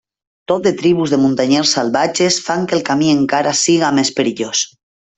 Tot de tribus de muntanyers salvatges fan que el camí encara sigui més perillós.